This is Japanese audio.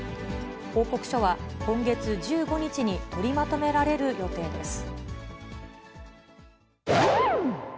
報告書は今月１５日に取りまとめられる予定です。